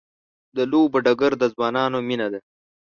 د لوبو ډګر د ځوانانو مینه ده.